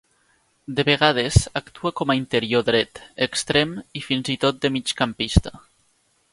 De vegades actua com a interior dret, extrem, i fins i tot de migcampista.